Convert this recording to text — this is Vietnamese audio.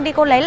con của mẹ